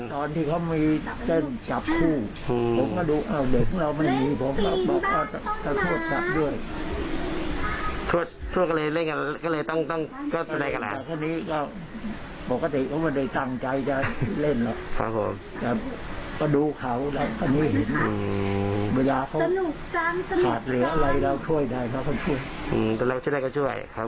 ตอนที่เขามีเต้นจับคู่